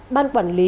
ban quản lý